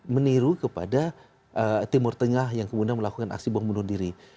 meniru kepada timur tengah yang kemudian melakukan aksi bom bunuh diri